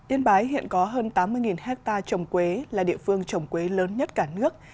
yên bái hiện có hơn tám mươi hectare trồng quế là địa phương trồng quế lớn nhất cả nước